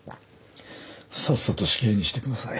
さっさと死刑にしてください。